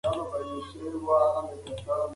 د ونو سیوری په دې توده غرمه کې ډېر خوندور دی.